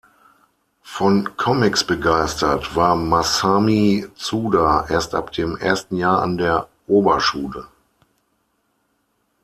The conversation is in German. Von Comics begeistert war Masami Tsuda erst ab dem ersten Jahr an der Oberschule.